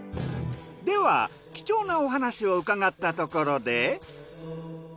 では貴重なお話を伺ったところで。